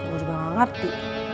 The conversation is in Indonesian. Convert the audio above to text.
gue juga gak ngerti